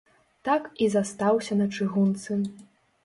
Так і застаўся на чыгунцы.